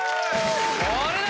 これだ！